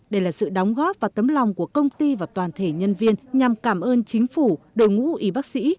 đây là sự đóng góp và tấm lòng của công ty và toàn thể nhân viên nhằm cảm ơn chính phủ đội ngũ y bác sĩ